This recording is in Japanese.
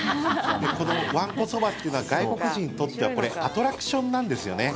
このわんこそばというのは外国人にとってはアトラクションなんですよね。